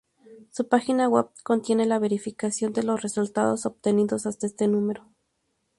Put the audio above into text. Su página web contiene la verificación de los resultados obtenidos hasta este número.